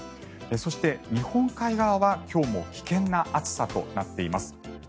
そして、日本海側は今日も危険な暑さとなっています。